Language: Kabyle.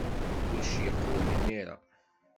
Kullec yeqwem imir-a.